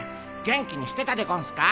元気にしてたでゴンスか？